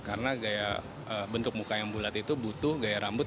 karena bentuk muka yang bulat itu butuh gaya rambutnya